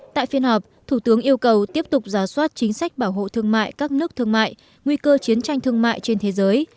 tại phiên họp thủ tướng yêu cầu tiếp tục giả soát chính sách bảo hộ thương mại các nước thương mại nguy cơ chiến tranh thương mại trên thế giới